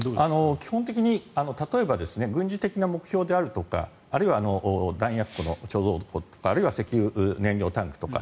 基本的に例えば、軍事的な目標であるとかあるいは弾薬庫の貯蔵庫とかあるいは石油燃料タンクとか